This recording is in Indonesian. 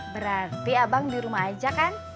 berarti abang dirumah aja kan